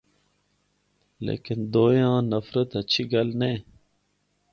لیکن دوہے آں نفرت اچھی گل نینھ۔